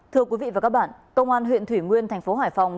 thưa quý vị và các bạn công an huyện thủy nguyên tp hải phòng